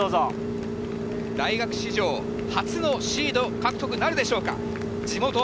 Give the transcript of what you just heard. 大学史上初のシード獲得なるでしょうか。